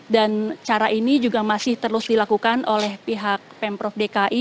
dan cara ini juga masih terus dilakukan oleh pihak pemprov dki